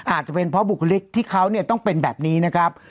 อาจจะเป็นเพราะบุคลิกที่เขาต้องเป็นแบบนี้นะครับ